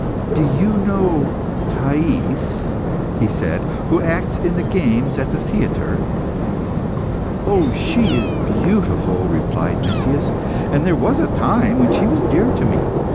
"Do you know Thais," he said, "who acts in the games at the theatre?" "She is beautiful," replied Nicias, "and there was a time when she was dear to me.